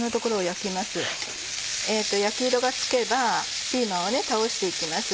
焼き色がつけばピーマンを倒して行きます。